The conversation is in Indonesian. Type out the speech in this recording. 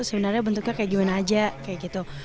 sebenarnya bentuknya kayak gimana aja kayak gitu